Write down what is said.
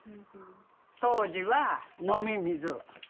当時は飲み水。